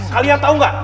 kalian tahu gak